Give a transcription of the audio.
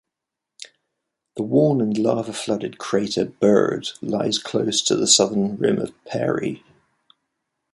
The worn and lava-flooded crater Byrd lies close to the southern rim of Peary.